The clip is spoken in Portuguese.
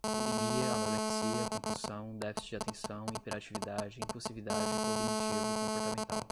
bulimia, anorexia, compulsão, déficit de atenção, hiperatividade, impulsividade, cognitivo, comportamental